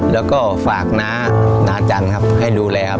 แล้วก็ฝากน้าน้าจันทร์ครับให้ดูแลครับ